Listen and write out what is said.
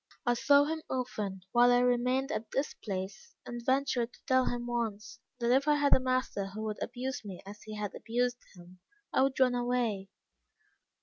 I saw him often whilst I remained at this place, and ventured to tell him once, that if I had a master who would abuse me as he had abused him, I would run away.